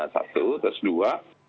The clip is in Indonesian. satu terus dua